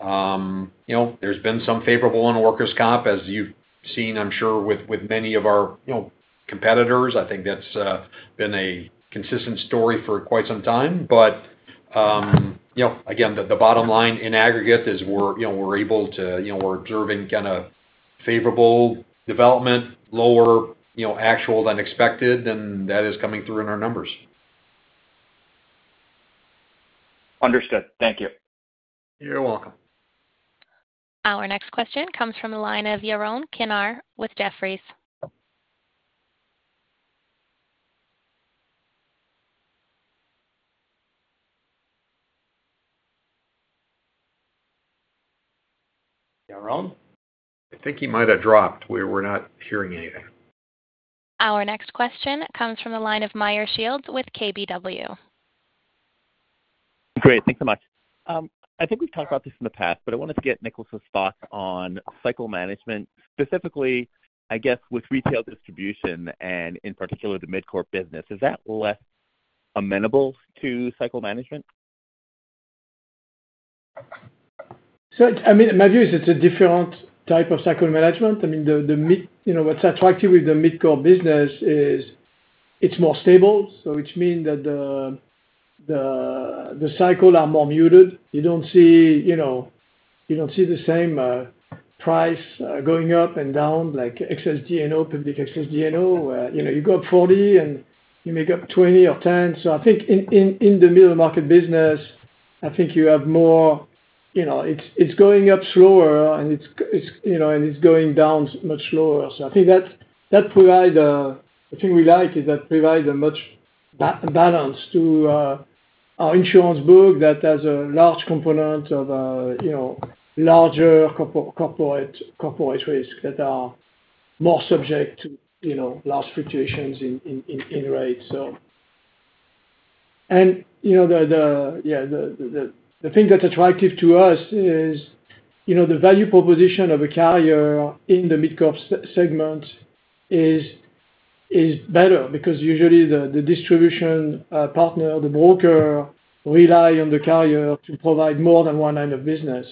There's been some favorable on workers' comp, as you've seen, I'm sure, with many of our competitors. I think that's been a consistent story for quite some time. But again, the bottom line in aggregate is we're observing kind of favorable development, lower actual than expected, and that is coming through in our numbers. Understood. Thank you. You're welcome. Our next question comes from the line of Yaron Kinar with Jefferies. Yaron? I think he might have dropped. We're not hearing anything. Our next question comes from the line of Meyer Shields with KBW. Great. Thanks so much. I think we've talked about this in the past, but I wanted to get Nicolas's thoughts on cycle management, specifically, I guess, with retail distribution and, in particular, the mid-corp business. Is that less amenable to cycle management? I mean, my view is it's a different type of cycle management. I mean, what's attractive with the mid-corp business is it's more stable, so which means that the cycles are more muted. You don't see the same price going up and down like E&S, public E&S, where you go up 40 and you make up 20 or 10. So I think in the middle market business, I think you have more it's going up slower and it's going down much slower. So I think that provides a I think we like is that provides a much balance to our insurance book that has a large component of larger corporate risk that are more subject to large fluctuations in rates, so. Yeah, the thing that's attractive to us is the value proposition of a carrier in the mid-corp segment is better because usually the distribution partner, the broker, relies on the carrier to provide more than one line of business.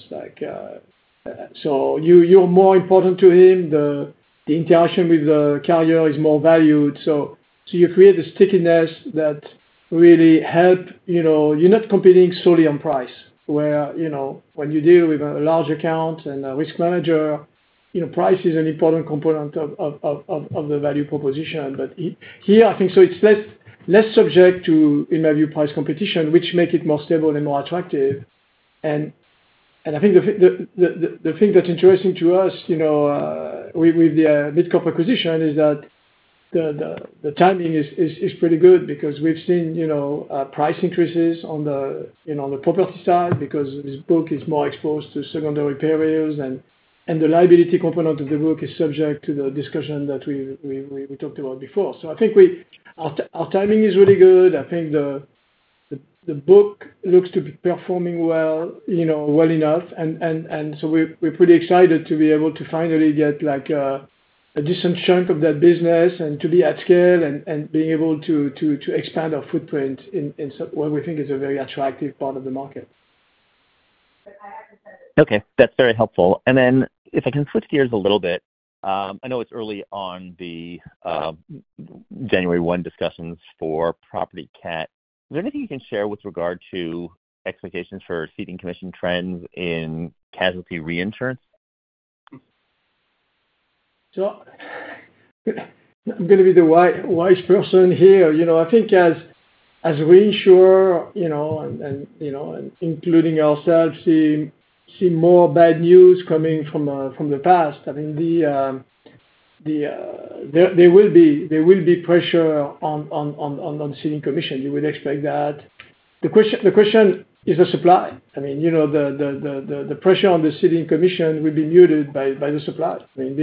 So you're more important to him. The interaction with the carrier is more valued. So you create a stickiness that really help you're not competing solely on price, where when you deal with a large account and a risk manager, price is an important component of the value proposition. But here, I think so it's less subject to, in my view, price competition, which makes it more stable and more attractive. I think the thing that's interesting to us with the mid-corp acquisition is that the timing is pretty good because we've seen price increases on the property side because this book is more exposed to secondary perils, and the liability component of the book is subject to the discussion that we talked about before. So I think our timing is really good. I think the book looks to be performing well enough, and so we're pretty excited to be able to finally get a decent chunk of that business and to be at scale and being able to expand our footprint in what we think is a very attractive part of the market. Okay. That's very helpful. And then if I can switch gears a little bit, I know it's early on the January 1 discussions for Property Cat. Is there anything you can share with regard to expectations for ceding commission trends in casualty reinsurance? So I'm going to be the wise person here. I think as we insurers, including ourselves, see more bad news coming from the past. I mean, there will be pressure on ceding commission. You would expect that. The question is the supply. I mean, the pressure on the ceding commission will be muted by the supply. I mean,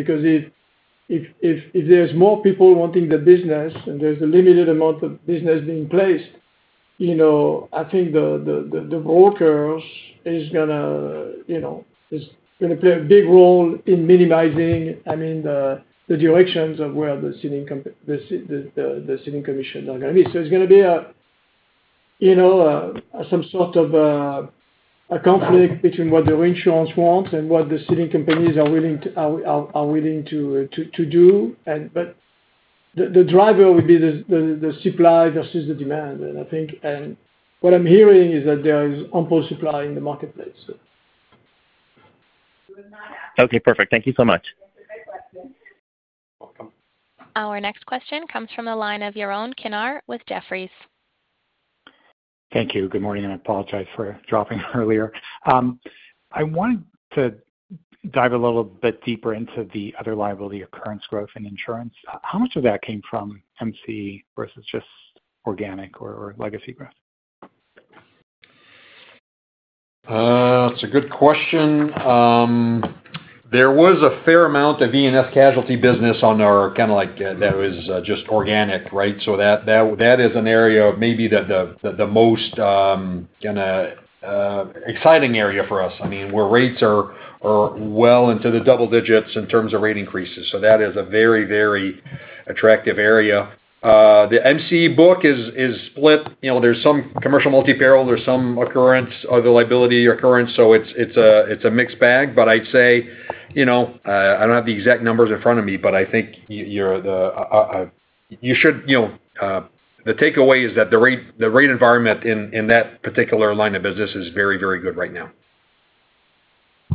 because if there's more people wanting the business and there's a limited amount of business being placed, I think the brokers is going to play a big role in minimizing, I mean, the directions of where the ceding commission are going to be. So it's going to be some sort of a conflict between what the reinsurers wants and what the ceding companies are willing to do. But the driver would be the supply versus the demand. I think what I'm hearing is that there is ample supply in the marketplace. Okay. Perfect. Thank you so much. Our next question comes from the line of Yaron Kinar with Jefferies. Thank you. Good morning. I apologize for dropping earlier. I wanted to dive a little bit deeper into the other liability occurrence growth in insurance. How much of that came from MC versus just organic or legacy growth? That's a good question. There was a fair amount of E&S casualty business on our kind of like that was just organic, right? So that is an area of maybe the most kind of exciting area for us. I mean, where rates are well into the double digits in terms of rate increases. So that is a very, very attractive area. The MC book is split. There's some commercial multi-peril. There's some occurrence of the liability occurrence. So it's a mixed bag. But I'd say I don't have the exact numbers in front of me, but I think the takeaway is that the rate environment in that particular line of business is very, very good right now.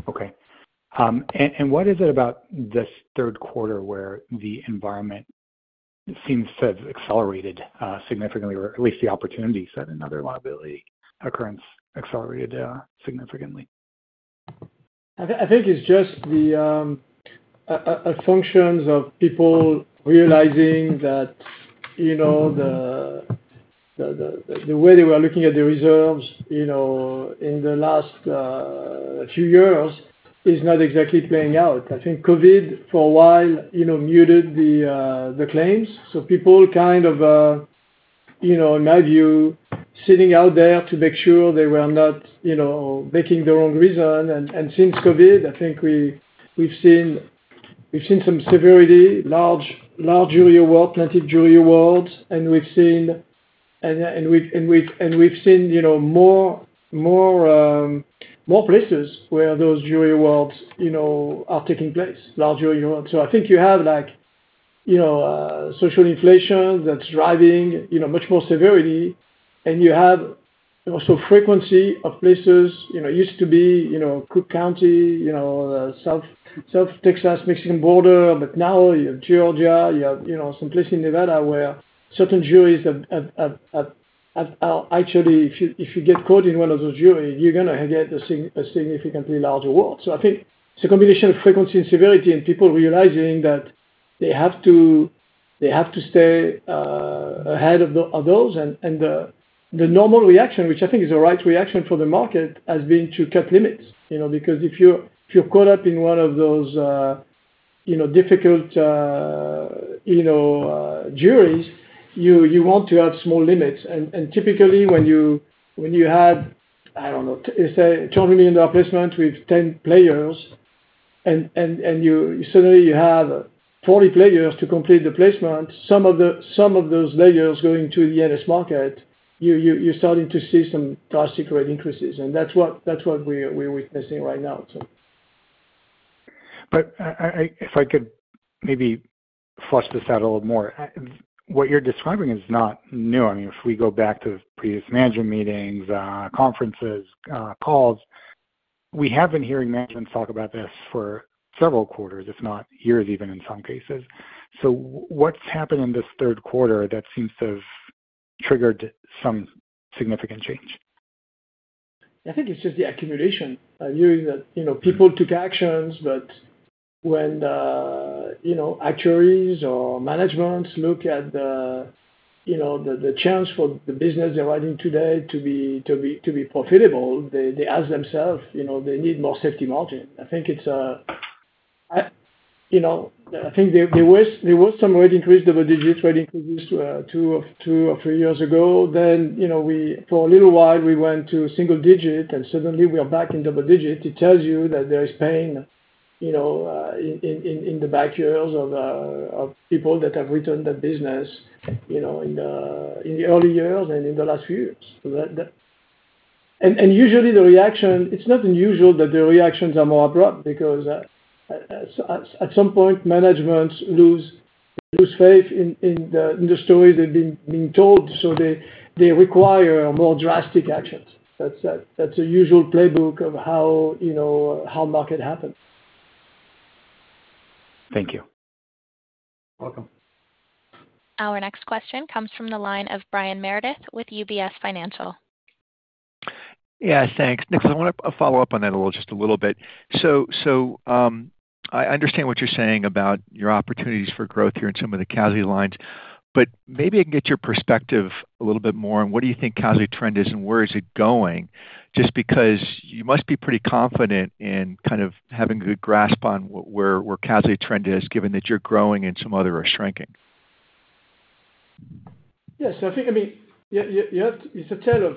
Okay. And what is it about this third quarter where the environment seems to have accelerated significantly, or at least the opportunities at another liability occurrence accelerated significantly? I think it's just the assumptions of people realizing that the way they were looking at the reserves in the last few years is not exactly playing out. I think COVID for a while muted the claims. So people kind of, in my view, sitting out there to make sure they were not making the wrong reason. And since COVID, I think we've seen some severity, larger reward, plenty of jury awards. And we've seen more places where those jury awards are taking place, larger rewards. So I think you have social inflation that's driving much more severity, and you have also frequency of places used to be Cook County, South Texas-Mexican border, but now you have Georgia, you have some place in Nevada where certain juries are actually, if you get caught in one of those juries, you're going to get a significantly larger award. I think it's a combination of frequency and severity and people realizing that they have to stay ahead of those. The normal reaction, which I think is the right reaction for the market, has been to cut limits because if you're caught up in one of those difficult juries, you want to have small limits. Typically, when you had, I don't know, let's say a $200 million placement with 10 players, and suddenly you have 40 players to complete the placement, some of those layers going to the E&S market, you're starting to see some drastic rate increases. That's what we're witnessing right now, so. But if I could maybe fuss this out a little more, what you're describing is not new. I mean, if we go back to previous management meetings, conferences, calls, we haven't heard management talk about this for several quarters, if not years even in some cases. So what's happened in this third quarter that seems to have triggered some significant change? I think it's just the accumulation. I'm hearing that people took actions, but when actuaries or managements look at the chance for the business they're running today to be profitable, they ask themselves they need more safety margin. I think it's a. I think there was some rate increase, double-digit rate increases two or three years ago. Then for a little while, we went to single digit, and suddenly we are back in double digit. It tells you that there is pain in the backyards of people that have returned the business in the early years and in the last few years. And usually, the reaction, it's not unusual that the reactions are more abrupt because at some point, managements lose faith in the story they've been told. So they require more drastic actions. That's a usual playbook of how market happens. Thank you. You're welcome. Our next question comes from the line of Brian Meredith with UBS. Yes, thanks. Nicolas, I want to follow up on that a little, just a little bit. So I understand what you're saying about your opportunities for growth here in some of the casualty lines, but maybe I can get your perspective a little bit more, and what do you think casualty trend is and where is it going? Just because you must be pretty confident in kind of having a good grasp on where casualty trend is, given that you're growing and some other are shrinking. Yes. I think, I mean, it's a tale of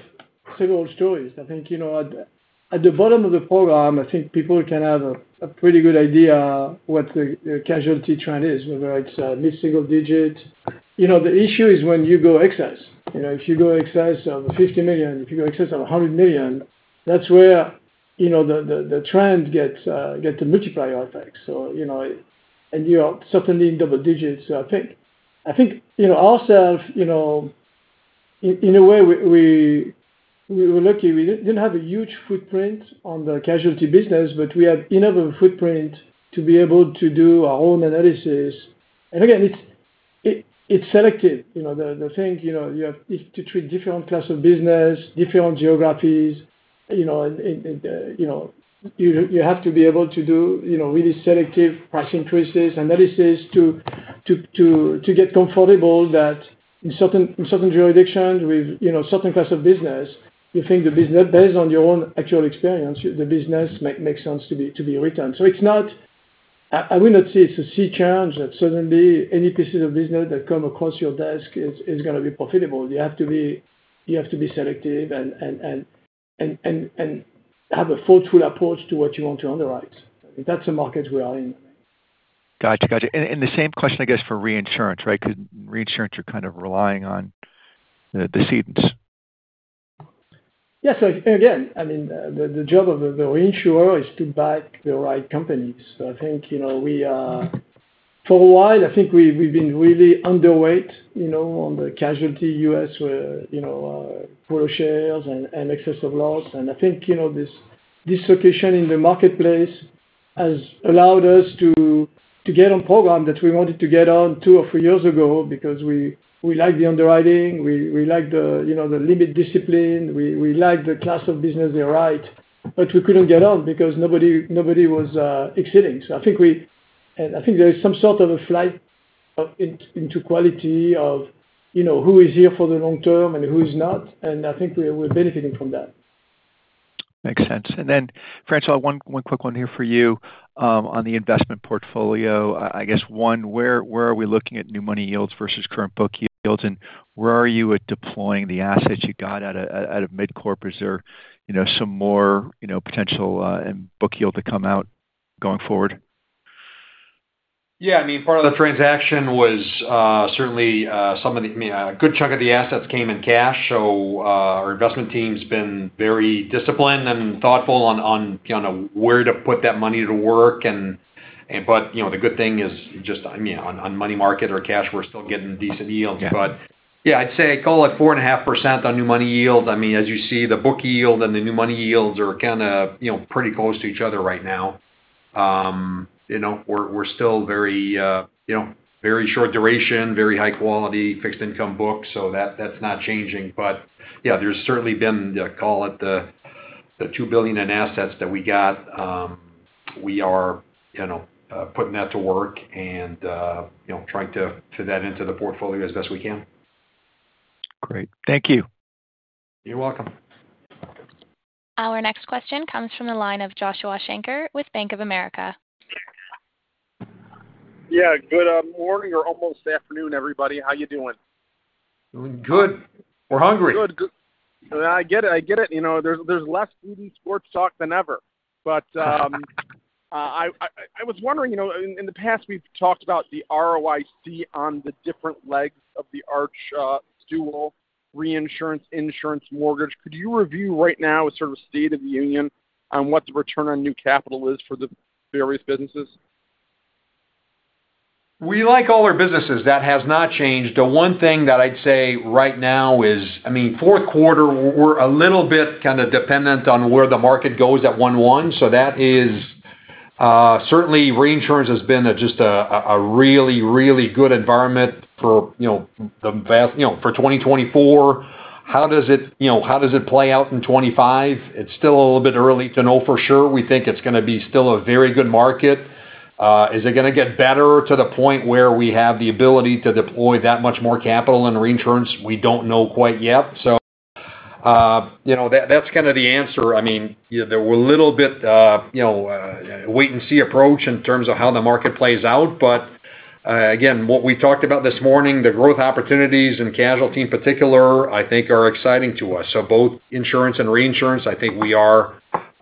several stories. I think at the bottom of the program, I think people can have a pretty good idea what the casualty trend is, whether it's a missing digit. The issue is when you go excess. If you go excess of 50 million, if you go excess of 100 million, that's where the trend gets a multiplier effect. And you're certainly in double digits. So I think ourselves, in a way, we were lucky. We didn't have a huge footprint on the casualty business, but we had enough of a footprint to be able to do our own analysis. And again, it's selective. The thing you have to treat different class of business, different geographies. You have to be able to do really selective price increases analysis to get comfortable that in certain jurisdictions with certain class of business, you think the business, based on your own actual experience, the business makes sense to be written. So it's not. I would not say it's a sea change that suddenly any pieces of business that come across your desk is going to be profitable. You have to be selective and have a thoughtful approach to what you want to underwrite. That's the market we are in. Gotcha. Gotcha. And the same question, I guess, for reinsurance, right? Because reinsurance, you're kind of relying on the cedants. Yes. Again, I mean, the job of the reinsurer is to back the right companies. So I think we are for a while. I think we've been really underweight on the casualty U.S., where pro-rata shares and excess loss. And I think this dislocation in the marketplace has allowed us to get on programs that we wanted to get on two or three years ago because we like the underwriting. We like the limit discipline. We like the class of business they write, but we couldn't get on because nobody was ceding. So I think there is some sort of a flight into quality of who is here for the long term and who is not. And I think we're benefiting from that. Makes sense. And then, François, one quick one here for you on the investment portfolio. I guess, one, where are we looking at new money yields versus current book yields? And where are you at deploying the assets you got out of mid-corp? Is there some more potential book yield to come out going forward? Yeah. I mean, part of the transaction was certainly some of the, I mean, a good chunk of the assets came in cash. So our investment team's been very disciplined and thoughtful on where to put that money to work. But the good thing is just, I mean, on money market or cash, we're still getting decent yields. But yeah, I'd say call it 4.5% on new money yield. I mean, as you see, the book yield and the new money yields are kind of pretty close to each other right now. We're still very short duration, very high-quality fixed income books. So that's not changing. But yeah, there's certainly been, call it the $2 billion in assets that we got. We are putting that to work and trying to fit that into the portfolio as best we can. Great. Thank you. You're welcome. Our next question comes from the line of Joshua Shanker with Bank of America. Yeah. Good morning or almost afternoon, everybody. How are you doing? Doing good. We're hungry. Good. Good. I get it. I get it. There's less foodie sports talk than ever. But I was wondering, in the past, we've talked about the ROIC on the different legs of the Arch stool Reinsurance Insurance Mortgage. Could you review right now a sort of state of the union on what the return on new capital is for the various businesses? We like all our businesses. That has not changed. The one thing that I'd say right now is, I mean, fourth quarter, we're a little bit kind of dependent on where the market goes at 1/1. So that is certainly reinsurance has been just a really, really good environment for 2024. How does it play out in 2025? It's still a little bit early to know for sure. We think it's going to be still a very good market. Is it going to get better to the point where we have the ability to deploy that much more capital in reinsurance? We don't know quite yet. So that's kind of the answer. I mean, there's a little bit wait-and-see approach in terms of how the market plays out. But again, what we talked about this morning, the growth opportunities and casualty in particular, I think are exciting to us. So both insurance and reinsurance, I think we are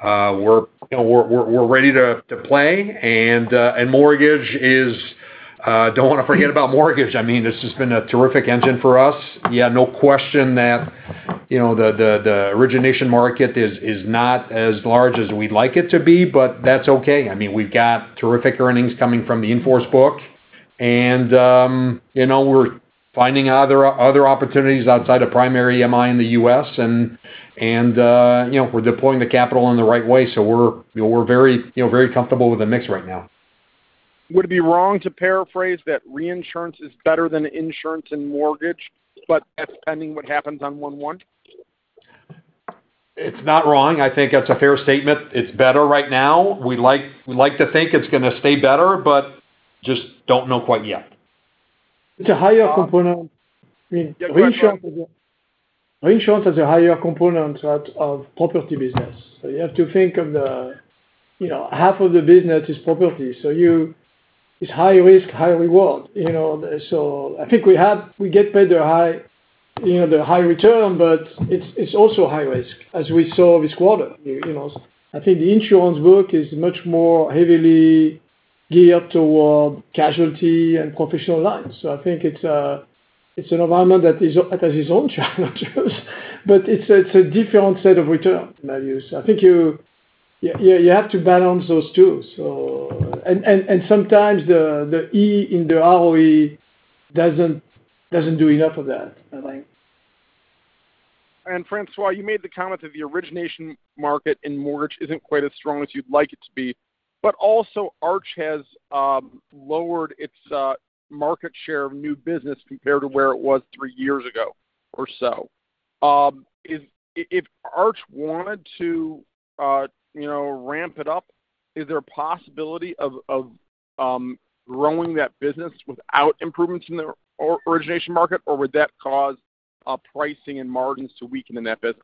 ready to play. And mortgage, I don't want to forget about mortgage. I mean, this has been a terrific engine for us. Yeah, no question that the origination market is not as large as we'd like it to be, but that's okay. I mean, we've got terrific earnings coming from the in-force book. And we're finding other opportunities outside of primary MI in the U.S. And we're deploying the capital in the right way. So we're very comfortable with the mix right now. Would it be wrong to paraphrase that reinsurance is better than insurance and mortgage, but that's pending what happens on 1/1? It's not wrong. I think that's a fair statement. It's better right now. We like to think it's going to stay better, but just don't know quite yet. It's a higher component. I mean, reinsurance is a higher component of property business, so you have to think of the half of the business is property, so it's high risk, high reward, so I think we get paid the high return, but it's also high risk, as we saw this quarter. I think the insurance work is much more heavily geared toward casualty and professional lines, so I think it's an environment that has its own challenges, but it's a different set of return values. I think you have to balance those two, and sometimes the E in the ROE doesn't do enough of that, I think. And François, you made the comment that the origination market in mortgage isn't quite as strong as you'd like it to be. But also, Arch has lowered its market share of new business compared to where it was three years ago or so. If Arch wanted to ramp it up, is there a possibility of growing that business without improvements in the origination market, or would that cause pricing and margins to weaken in that business?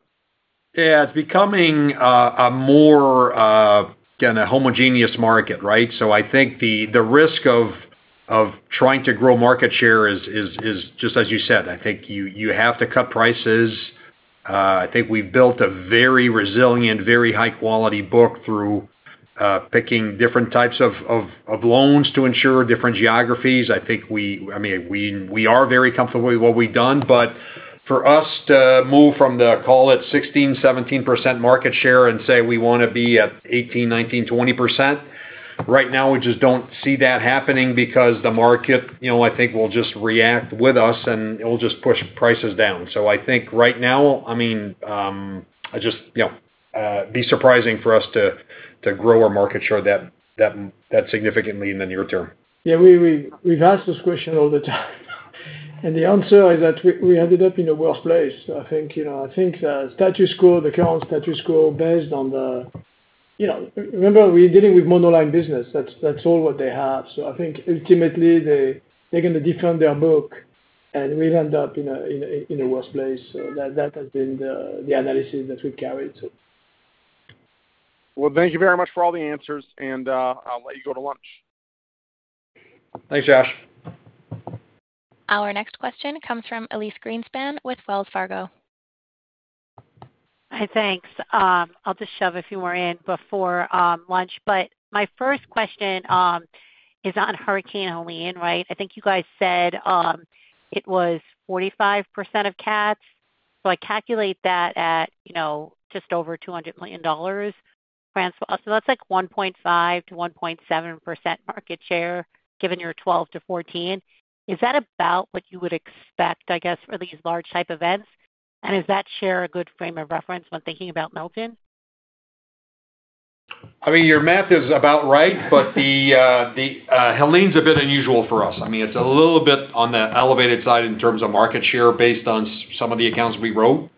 Yeah. It's becoming a more kind of homogeneous market, right? So I think the risk of trying to grow market share is just, as you said, I think you have to cut prices. I think we've built a very resilient, very high-quality book through picking different types of loans to insure different geographies. I think we, I mean, we are very comfortable with what we've done. But for us to move from the, call it 16%-17% market share and say we want to be at 18%-20%, right now, we just don't see that happening because the market, I think, will just react with us, and it'll just push prices down. So I think right now, I mean, it would just be surprising for us to grow our market share that significantly in the near term. Yeah. We've asked this question all the time. And the answer is that we ended up in a worse place. I think the status quo, the current status quo based on the remember, we're dealing with monoline business. That's all what they have. So I think ultimately, they're going to defend their book, and we'll end up in a worse place. So that has been the analysis that we've carried, so. Thank you very much for all the answers, and I'll let you go to lunch. Thanks, Josh. Our next question comes from Elyse Greenspan with Wells Fargo. Hi, thanks. I'll just shove a few more in before lunch, but my first question is on Hurricane Helene, right? I think you guys said it was 45% of cats. So I calculate that at just over $200 million. François, so that's like 1.5%-1.7% market share given your 12%-14%. Is that about what you would expect, I guess, for these large-type events, and is that share a good frame of reference when thinking about Milton? I mean, your math is about right, but the Helene's a bit unusual for us. I mean, it's a little bit on the elevated side in terms of market share based on some of the accounts we wrote.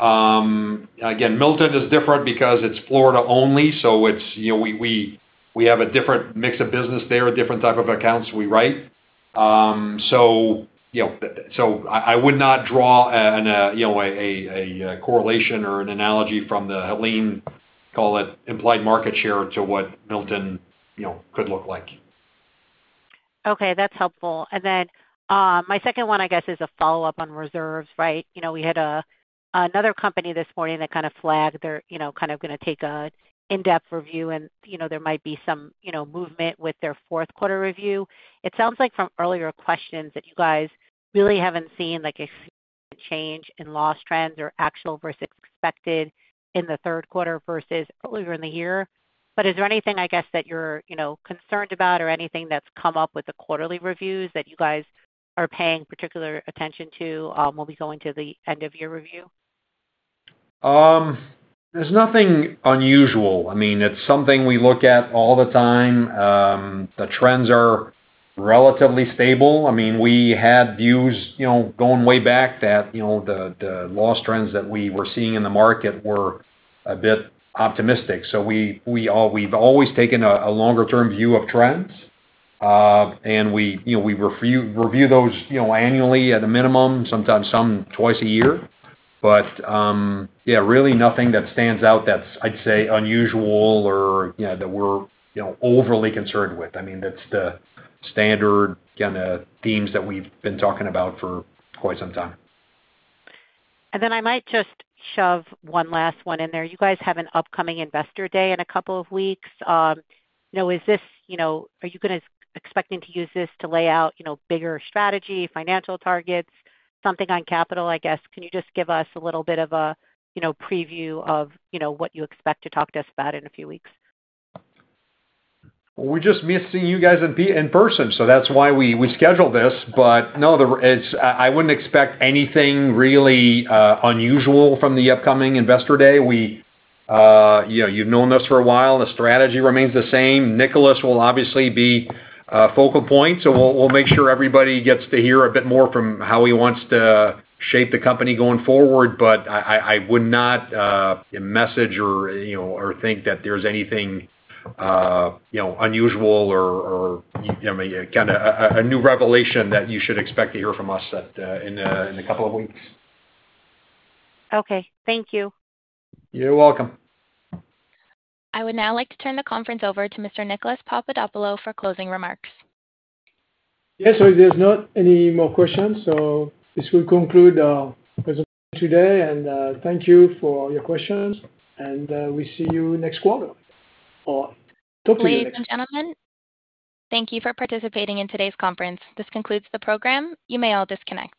Again, Milton is different because it's Florida only. So we have a different mix of business there, different type of accounts we write. So I would not draw a correlation or an analogy from the Helene, call it implied market share to what Milton could look like. Okay. That's helpful. And then my second one, I guess, is a follow-up on reserves, right? We had another company this morning that kind of flagged they're kind of going to take an in-depth review, and there might be some movement with their fourth quarter review. It sounds like from earlier questions that you guys really haven't seen a significant change in loss trends or actual versus expected in the third quarter versus earlier in the year. But is there anything, I guess, that you're concerned about or anything that's come up with the quarterly reviews that you guys are paying particular attention to when we go into the end-of-year review? There's nothing unusual. I mean, it's something we look at all the time. The trends are relatively stable. I mean, we had views going way back that the loss trends that we were seeing in the market were a bit optimistic. So we've always taken a longer-term view of trends, and we review those annually at a minimum, sometimes twice a year. But yeah, really nothing that stands out that's, I'd say, unusual or that we're overly concerned with. I mean, that's the standard kind of themes that we've been talking about for quite some time. Then I might just shove one last one in there. You guys have an upcoming investor day in a couple of weeks. Is this, are you going to expecting to use this to lay out bigger strategy, financial targets, something on capital, I guess? Can you just give us a little bit of a preview of what you expect to talk to us about in a few weeks? We're just missing you guys in person, so that's why we scheduled this. But no, I wouldn't expect anything really unusual from the upcoming investor day. You've known us for a while. The strategy remains the same. Nicolas will obviously be a focal point. So we'll make sure everybody gets to hear a bit more from how he wants to shape the company going forward. But I would not message or think that there's anything unusual or kind of a new revelation that you should expect to hear from us in a couple of weeks. Okay. Thank you. You're welcome. I would now like to turn the conference over to Mr. Nicolas Papadopoulo for closing remarks. Yeah. So there's not any more questions. So this will conclude our presentation today. And thank you for your questions. And we see you next quarter. All right. Thank you, gentlemen. Thank you for participating in today's conference. This concludes the program. You may all disconnect.